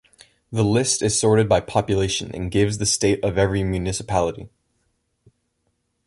The list is sorted by population and gives the state of every municipality.